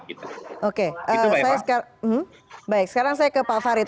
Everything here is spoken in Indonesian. baik sekarang saya ke pak farid